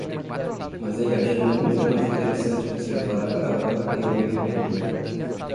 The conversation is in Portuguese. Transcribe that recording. Mas ele achou muito mais interessante observar a caravana e ouvir o vento.